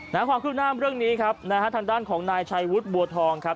ความคืบหน้าเรื่องนี้ครับนะฮะทางด้านของนายชัยวุฒิบัวทองครับ